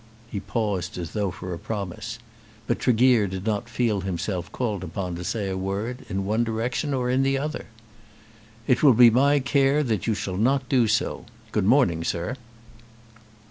He paused as though for a promise, but Tregear did not feel himself called upon to say a word in one direction or in the other. "It will be my care that you shall not do so. Good morning, sir."